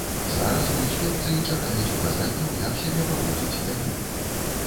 Зараз у інспекцыі чакаюць указанняў, як сябе паводзіць далей.